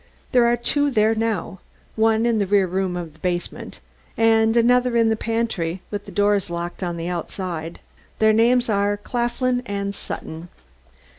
There are two there now one in a rear room of the basement, and another in the pantry, with the doors locked on the outside. Their names are Claflin and Sutton!"